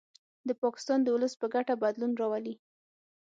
د پاکستان د ولس په ګټه بدلون راولي